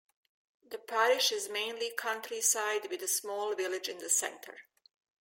The parish is mainly countryside with a small village in the centre.